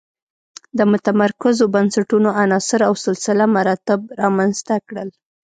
د متمرکزو بنسټونو عناصر او سلسله مراتب رامنځته کړل.